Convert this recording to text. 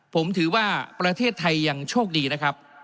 ผมถือว่าประเทศไทยยังโชคดีนะครับ